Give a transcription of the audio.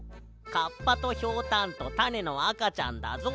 カッパとひょうたんとたねのあかちゃんだぞ。